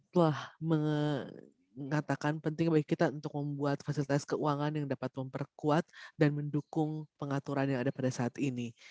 telah mengatakan penting bagi kita untuk membuat fasilitas keuangan yang dapat memperkuat dan mendukung pengaturan yang ada pada saat ini